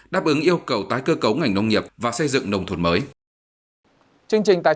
đáp ứng yêu cầu tái cơ cấu ngành nông nghiệp và xây dựng nông thuận mới